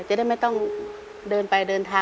จะได้ไม่ต้องเดินไปเดินทาง